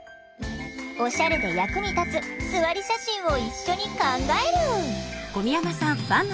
オシャレで役に立つすわり写真を一緒に考える。